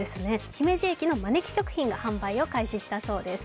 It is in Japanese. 姫路駅のまねき食品が販売を開始したそうです。